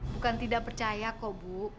bukan tidak percaya kok bu